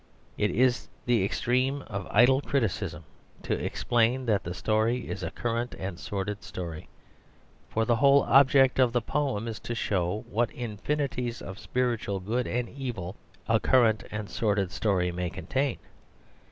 It is the extreme of idle criticism to complain that the story is a current and sordid story, for the whole object of the poem is to show what infinities of spiritual good and evil a current and sordid story may contain.